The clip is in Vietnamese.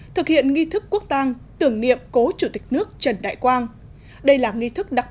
thực hiện nghi thức quốc tàng tưởng niệm cố chủ tịch nước trần đại quang đây là nghi thức đặc